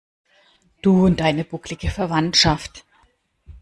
Du und deine bucklige Verwandschaft.